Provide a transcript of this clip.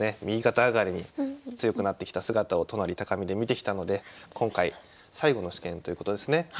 右肩上がりに強くなってきた姿を都成見で見てきたので今回最後の試験ということですね。